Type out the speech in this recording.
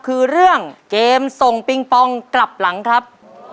คือเรื่องเกมส่งปิงปองกลับหลังครับ